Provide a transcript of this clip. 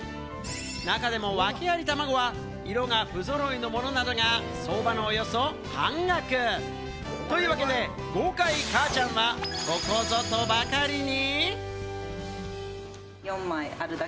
中でもワケありたまごは色がふぞろいのものなどが相場のおよそ半額。というわけで、豪快母ちゃんは、ここぞとばかりに。